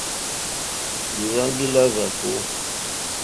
Lìhwáŋɡí lá hwàkó.